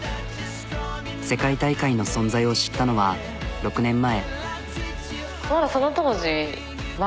世界大会の存在を知ったのは６年前。